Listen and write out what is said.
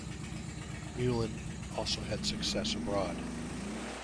Meulen also had success abroad.